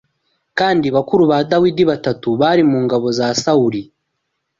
Kandi bakuru ba Dawidi batatu bari mu ngabo za Sawuli